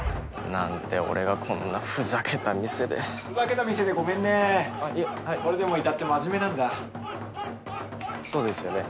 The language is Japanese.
なんで俺がこんなふざけた店でふざけた店でごめんねあっいえはいこれでも至って真面目なんだそうですよね